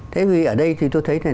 thế vì ở đây thì tôi thấy là